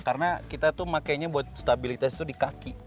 karena kita tuh makanya buat stabilitas tuh di kaki